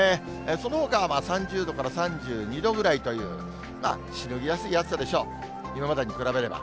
そのほかは３０度から３２度ぐらいという、まあ、しのぎやすい暑さでしょう、今までに比べれば。